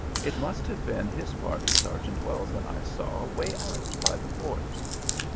It must have been his party Sergeant Wells and I saw way out by the fort."